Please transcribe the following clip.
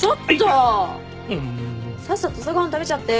さっさと朝ご飯食べちゃって。